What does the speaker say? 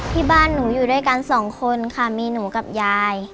ที่บ้านหนูอยู่ด้วยกันสองคนค่ะมีหนูกับยาย